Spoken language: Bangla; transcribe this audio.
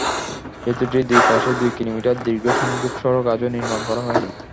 সেতুটির দুই পাশে দুই কিলোমিটার দীর্ঘ সংযোগ সড়ক আজও নির্মাণ করা হয়নি।